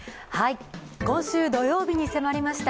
今週土曜日に迫りました